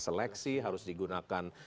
seleksi harus digunakan